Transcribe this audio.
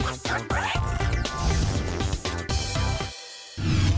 ทุกวันต่อไป